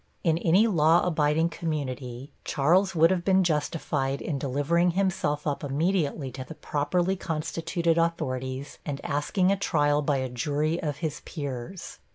In any law abiding community Charles would have been justified in delivering himself up immediately to the properly constituted authorities and asking a trial by a jury of his peers.